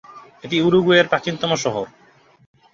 এটি উরুগুয়ের প্রাচীনতম শহর।